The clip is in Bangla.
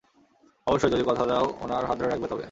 অবশ্যই, যদি কথা দাও উনার হাত ধরে রাখবে, তবে!